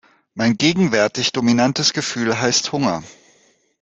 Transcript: Mein gegenwärtig dominantes Gefühl heißt Hunger.